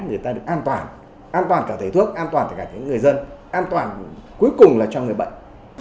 người ta được an toàn an toàn cả thầy thuốc an toàn cả những người dân an toàn cuối cùng là cho người bệnh